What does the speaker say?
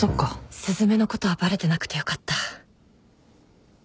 雀のことはバレてなくてよかった